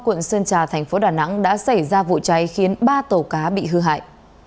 quận sơn trà thành phố đà nẵng đã xảy ra vụ cháy khiến ba tàu cá bị hư hại